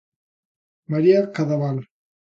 María Cadaval.